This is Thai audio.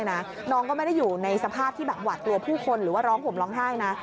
น้องก็ไม่ได้อยู่ในสภาพที่แบบหวาดกลัวผู้คนหรือว่าร้องห่มร้องไห้นะ